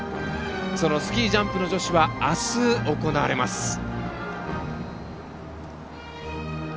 そのスキー・ジャンプ女子はあす、行われます。